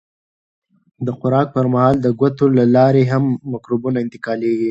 د خوراک پر مهال د ګوتو له لارې هم مکروبونه انتقالېږي.